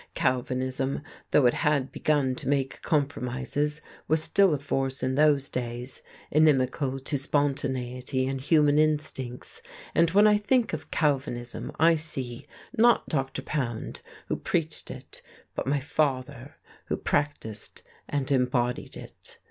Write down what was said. Calvinism, though it had begun to make compromises, was still a force in those days, inimical to spontaneity and human instincts. And when I think of Calvinism I see, not Dr. Pound, who preached it, but my father, who practised and embodied it.